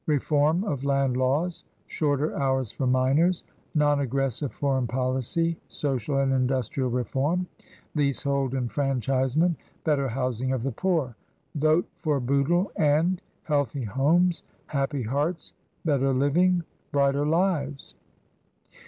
Reform of Land Laws. Shorter Hours for Miners. Non aggressive Foreign Policy. Social and Industrial Reform. Leasehold Enfranchisement. Better Housing of the Poor. VOTE FOR BOOTLE AND Healthy Homes, Happy Hearts, Better Living, Brighter Lives.